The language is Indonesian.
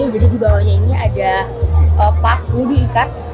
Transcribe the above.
jadi dibawahnya ini ada paku diikat